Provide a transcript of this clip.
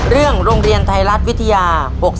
เรื่องโรงเรียนไทยรัฐวิทยา๖๕